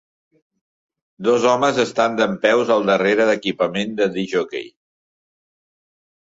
Dos homes estan dempeus al darrere d'equipament de discjòquei.